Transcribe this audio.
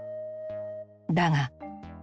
だが。